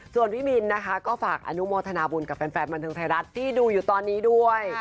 ส่วนพี่บินนะคะก็ฝากอนุโมทนาบุญกับแฟนบันเทิงไทยรัฐที่ดูอยู่ตอนนี้ด้วย